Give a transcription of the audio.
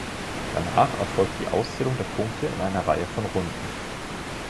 Danach erfolgt die Auszählung der Punkte in einer Reihe von Runden.